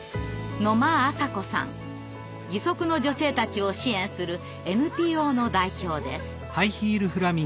義足の女性たちを支援するＮＰＯの代表です。